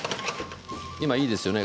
今いいですね